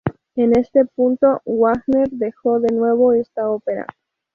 En este punto, Wagner dejó de nuevo esta ópera.